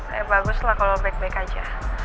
eh bagus lah kalo lo baik baik aja